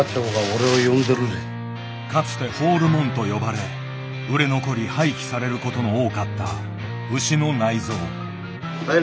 かつて「放るもん」と呼ばれ売れ残り廃棄されることの多かった牛の内臓。